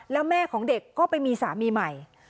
แล้วแม่ของเด็กก็ไปมีสามีใหม่